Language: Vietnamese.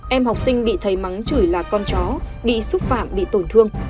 em học sinh bị thầy mắn chửi là con chó bị xúc phạm bị tổn thương